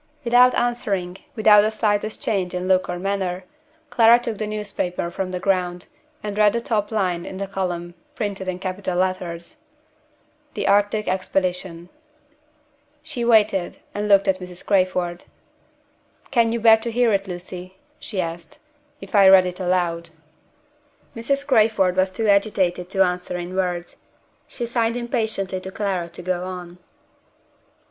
Without answering, without the slightest change in look or manner, Clara took the newspaper from the ground, and read the top line in the column, printed in capital letters: THE ARCTIC EXPEDITION. She waited, and looked at Mrs. Crayford. "Can you bear to hear it, Lucy," she asked, "if I read it aloud?" Mrs. Crayford was too agitated to answer in words. She signed impatiently to Clara to go on.